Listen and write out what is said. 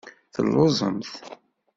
Telluẓemt?